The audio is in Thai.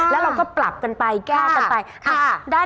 แล้วเราก็ปรับกันไปแก้กันไป